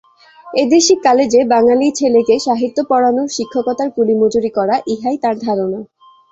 এদেশী কালেজে বাঙালি ছেলেকে সাহিত্য পড়ানো শিক্ষকতার কুলিমজুরি করা, ইহাই তাঁর ধারণা।